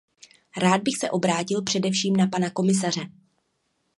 Rád bych se obrátil především na pana komisaře.